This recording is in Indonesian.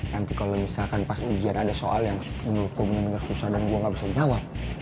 nanti kalau misalkan pas ujian ada soal yang menurut gue bener bener susah dan gue gak bisa jawab